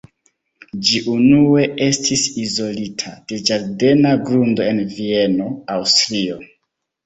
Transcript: Ĝi unue estis izolita de ĝardena grundo en Vieno, Aŭstrio.